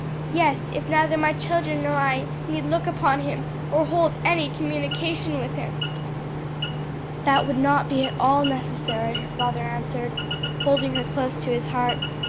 "Yes, if neither my children nor I need look upon him or hold any communication with him." "That would not be at all necessary," her father answered, holding her close to his heart.